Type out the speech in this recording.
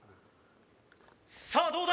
さあどうだ？